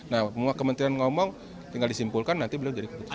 nah semua kementerian ngomong tinggal disimpulkan nanti beliau jadi keputusan